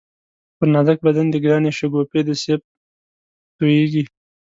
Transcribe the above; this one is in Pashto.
پر نازک بدن دی گرانی شگوفې د سېب تویېږی